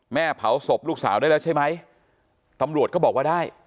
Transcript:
เผาศพลูกสาวได้แล้วใช่ไหมตำรวจก็บอกว่าได้